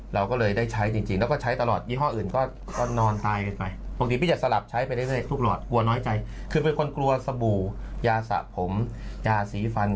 เรียกตัวเป็นคนกลัวสบู่ยาสะผมยาสีฟัน